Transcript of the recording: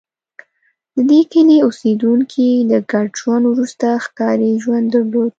د دې کلي اوسېدونکي له ګډ ژوند وروسته ښکاري ژوند درلود